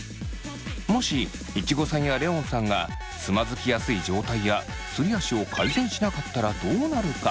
もしいちごさんやレオンさんがつまずきやすい状態やすり足を改善しなかったらどうなるか。